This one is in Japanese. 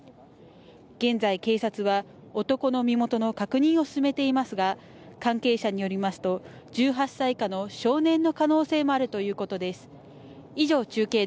現在、警察は男の身元の確認を進めていますが、関係者によりますと１８歳以下の少年の可能性もあるということです。